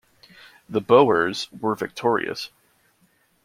The Boers were victorious.